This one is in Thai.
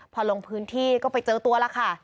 พอลงพื้นที่ก็ไปเจอตัวแล้วค่ะ